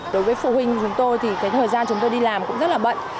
đối với phụ huynh chúng tôi thì cái thời gian chúng tôi đi làm cũng rất là bận